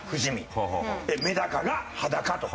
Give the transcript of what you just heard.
「メダカ」が「裸」とか。